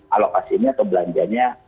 alokasinya atau belanjanya